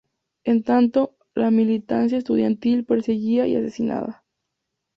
En tanto, la militancia estudiantil perseguida y asesinada.